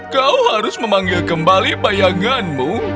kau harus memanggil kembali bayanganmu